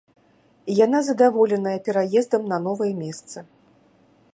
Яна задаволеная пераездам на новае месца.